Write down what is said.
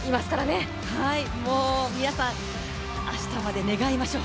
もう皆さん明日まで願いましょう。